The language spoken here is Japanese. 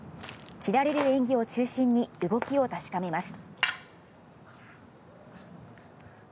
斬られる演技を中心に、動きを確かめます。